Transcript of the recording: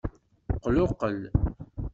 Qluqqel.